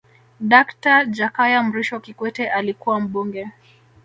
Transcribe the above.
dakta jakaya mrisho kikwete alikuwa mbunge